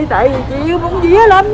tại vì chị yêu bún día lắm